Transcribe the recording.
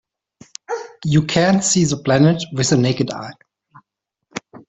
You can't see the planet with the naked eye.